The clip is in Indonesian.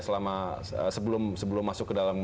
sebelum masuk ke dalam